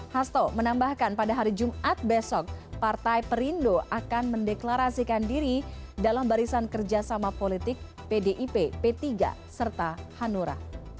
hasto menambahkan pada hari jumat besok partai perindo akan mendeklarasikan diri dalam barisan kerjasama politik pdip p tiga serta hanura